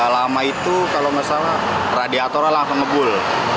lama itu kalau nggak salah radiatornya langsung ngebul